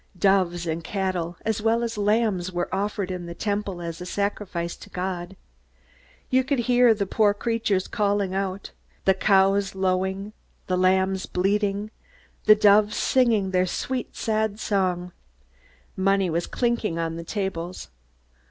Doves and cattle, as well as lambs, were offered in the Temple as a sacrifice to God. You could hear the poor creatures calling out the cows lowing, the lambs bleating, the doves singing their sweet, sad song. Money was clinking on the tables.